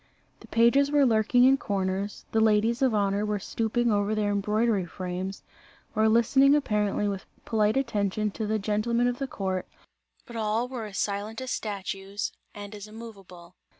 The pages were lurking in corners, the ladies of honour were stooping over their embroidery frames, or listening apparently with polite attention to the gentlemen of the court, but all were as silent as statues and as immoveable.